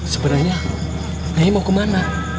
sebenarnya nyai mau kemana